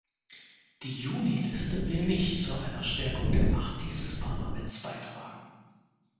Die Juniliste will nicht zu einer Stärkung der Macht dieses Parlaments beitragen.